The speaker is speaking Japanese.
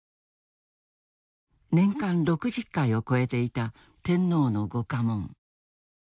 年間６０回を超えていた天皇の御下問。